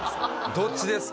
どっちですか？